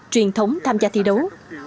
truyền thống tham gia thi đấu